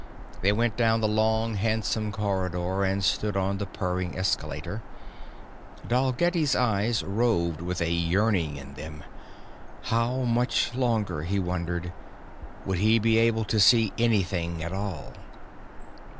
They went down the long handsome corridor and stood on the purring escalator. Dalgetty's eyes roved with a yearning in them how much longer, he wondered, would he be able to see anything at all?